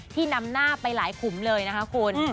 นำหน้าไปหลายขุมเลยนะคะคุณ